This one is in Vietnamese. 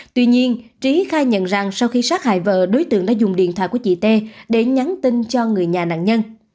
tuy nhiên trí khai nhận rằng sau khi sát hại vợ đối tượng đã dùng điện thoại của chị t để nhắn tin cho người nhà nạn nhân